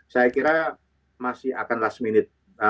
saya kira masih akan last minute